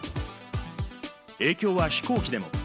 影響は飛行機でも。